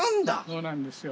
そうなんですよ。